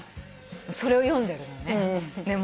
それを読んでるのね。